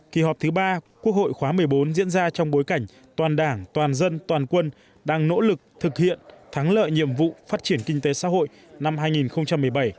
kỳ họp thứ ba quốc hội khóa một mươi bốn diễn ra trong bối cảnh toàn đảng toàn dân toàn quân đang nỗ lực thực hiện thắng lợi nhiệm vụ phát triển kinh tế xã hội năm hai nghìn một mươi bảy